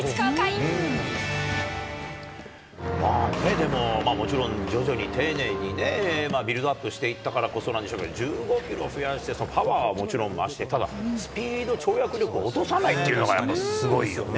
でも、もちろん、徐々に丁寧にね、ビルドアップしていったからこそなんでしょうけど、１５キロ増やして、パワーはもちろん増して、ただ、スピード、跳躍力は落とさないっていうのが、やっぱりすごいよね。